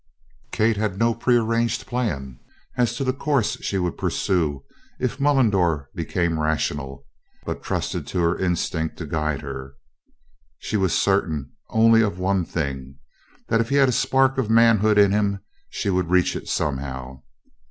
Kate had no prearranged plan as to the course she would pursue if Mullendore became rational, but trusted to her instinct to guide her. She was certain only of one thing that if he had a spark of manhood in him she would reach it somehow.